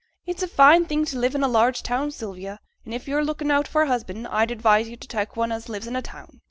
It's a fine thing to live in a large town, Sylvia; an' if yo're looking out for a husband, I'd advise yo' to tak' one as lives in a town.